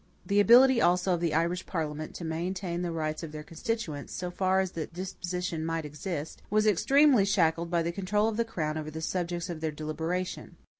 The ability also of the Irish parliament to maintain the rights of their constituents, so far as the disposition might exist, was extremely shackled by the control of the crown over the subjects of their deliberation.